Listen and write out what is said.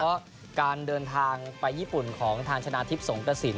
เพราะการเดินทางไปญี่ปุ่นของทางชนะทิพย์สงกระสิน